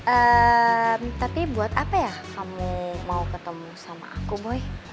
eh tapi buat apa ya kamu mau ketemu sama aku boy